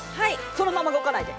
そのまま動かないで！